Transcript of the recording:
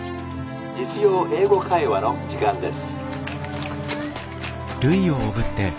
『実用英語会話』の時間です」。